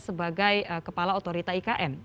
sebagai kepala otorita ikn